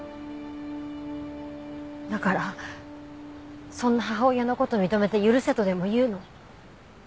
だからそんな母親の事認めて許せとでも言うの？